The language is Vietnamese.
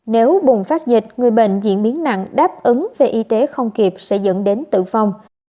nếu bùng phát dịch người bệnh diễn biến nặng đáp ứng về y tế không kịp sẽ dẫn đến tử vong